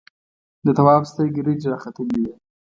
د تواب سترګې رډې راختلې وې.